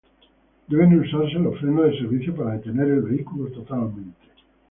Deben usarse los frenos de servicio para detener el vehículo totalmente.